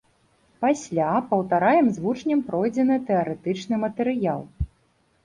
Пасля паўтараем з вучнем пройдзены тэарэтычны матэрыял.